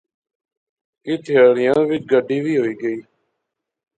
کی تہاڑیاں وچ گڈی وی ہوئی گئی